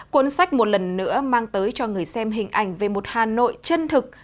cuốn sách một lần nữa mang tới cho người xem hình ảnh về một hà nội chân thực